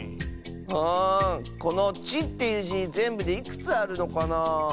あこの「ち」っていうじぜんぶでいくつあるのかな？